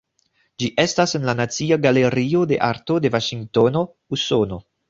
Ĝi estas en la Nacia Galerio de Arto de Vaŝingtono, Usono.